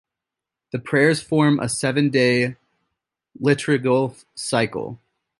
The prayers form a seven-day liturgical cycle.